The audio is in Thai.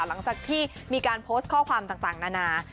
หลังจากที่มีการโพสต์ข้อความต่างนานา